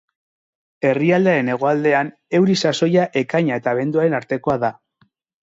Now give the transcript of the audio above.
Herrialdearen hegoaldean euri sasoia ekaina eta abenduaren artekoa da.